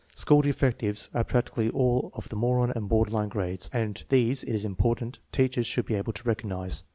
School defectives are prac tically all of the moron and border line grades, and these it is important teachers should be able to recognize.